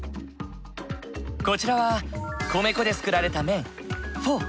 こちらは米粉で作られた麺フォー。